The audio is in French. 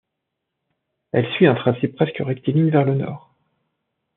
Elle suit un tracé presque rectiligne vers le nord.